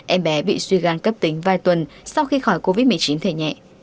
em bé bị suy gan cấp tính vài tuần sau khi khỏi covid một mươi chín thể nhẹ